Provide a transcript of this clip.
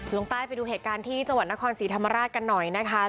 ลงใต้ไปดูเหตุการณ์ที่จังหวัดนครศรีธรรมราชกันหน่อยนะคะ